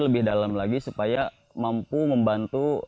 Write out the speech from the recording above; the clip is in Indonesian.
lebih dalam lagi supaya mampu membantu